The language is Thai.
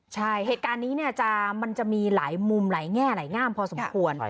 ใช่เหตุการณ์นี้เนี่ยมันจะมีหลายมุมหลายแง่หลายงามพอสมควร